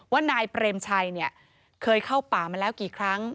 ว่านายเปรมชัยเนี่ยเคยเข้าป่ามาแล้วกี่ครั้ง